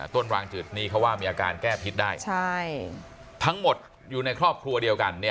รางจืดนี่เขาว่ามีอาการแก้พิษได้ทั้งหมดอยู่ในครอบครัวเดียวกัน